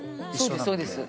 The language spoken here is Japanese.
そうですそうです。